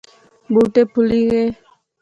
بُوٹے پُھلی غئے